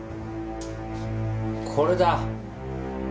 これだ。